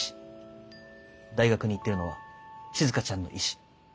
大学に行ってるのはしずかちゃんの意志。